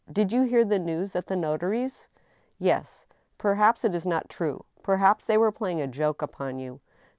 " Did you hear the news at the notary's ?"" Yes." " Perhaps it is not true — ^perbaps they were playing a joke upon you."